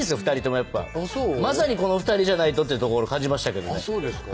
２人ともやっぱまさにこの２人じゃないとっていうところ感じましたけどね